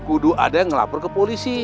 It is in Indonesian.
kudu ada yang melapor ke polisi